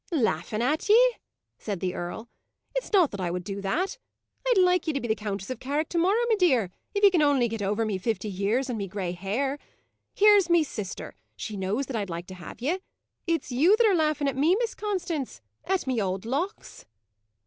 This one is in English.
"Laughing at ye!" said the earl. "It's not I that would do that. I'd like ye to be Countess of Carrick to morrow, me dear, if you can only get over me fifty years and me grey hair. Here's me sister she knows that I'd like to have ye. It's you that are laughing at me, Miss Constance; at me ould locks."